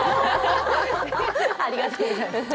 ありがとうございます。